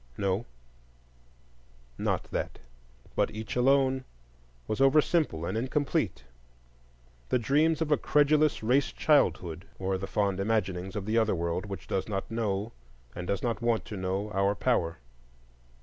No, not that, but each alone was over simple and incomplete,—the dreams of a credulous race childhood, or the fond imaginings of the other world which does not know and does not want to know our power.